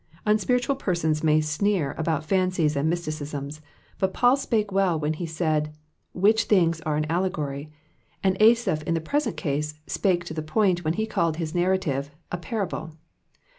Unspiritual persons may sneer about fancies and mysticisms, but Paul spake well when he said *'*• which things are an allegory, '' and Asaph in the present case spake to the point when he called his narrative ^^ a parable.